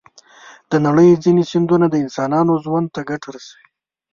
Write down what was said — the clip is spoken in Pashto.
د نړۍ ځینې سیندونه د انسانانو ژوند ته ګټه رسوي.